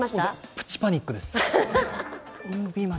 プチパニックです。